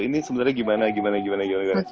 ini sebenernya gimana gimana